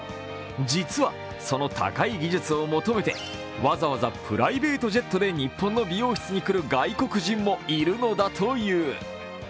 実は、その高い技術を求めてわざわざプライベートジェットで日本の美容室に来る外国人もいるのだという。